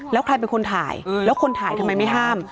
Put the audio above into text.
แล้วใครเป็นคนถ่ายแล้วคนถ่ายทำไมไม่ห้าม